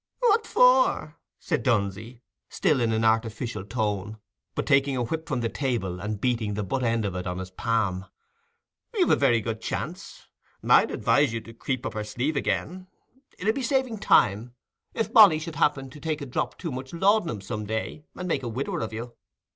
"What for?" said Dunsey, still in an artificial tone, but taking a whip from the table and beating the butt end of it on his palm. "You've a very good chance. I'd advise you to creep up her sleeve again: it 'ud be saving time, if Molly should happen to take a drop too much laudanum some day, and make a widower of you.